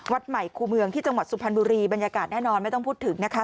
วัดใหม่คู่เมืองที่จังหวัดสุพรรณบุรีบรรยากาศแน่นอนไม่ต้องพูดถึงนะคะ